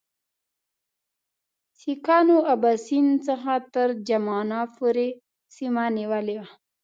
سیکهانو اباسین څخه تر جمنا پورې سیمه نیولې وه.